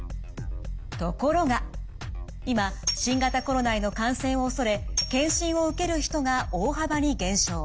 ところが今新型コロナへの感染を恐れ検診を受ける人が大幅に減少。